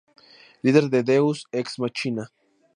Lider de Deus Ex Machina.